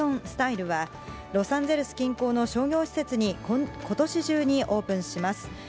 スタイルは、ロサンゼルス近郊の商業施設にことし中にオープンします。